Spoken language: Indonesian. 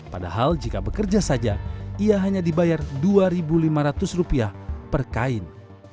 padahal jika bekerja saja ia hanya dibayar rp dua lima ratus per kain